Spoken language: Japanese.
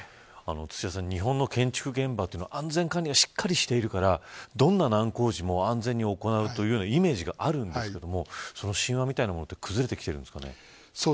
土屋さん、日本の建築現場は安全管理がしっかりしているからどんな難工事も安全に行うというイメージがあるんですが親和みたいなものが崩れてきてるんですかね。